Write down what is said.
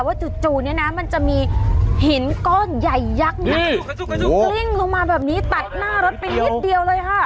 จู่เนี่ยนะมันจะมีหินก้อนใหญ่ยักษ์เนี่ยกลิ้งลงมาแบบนี้ตัดหน้ารถไปนิดเดียวเลยค่ะ